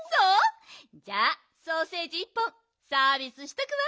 じゃあソーセージ１本サービスしとくわ。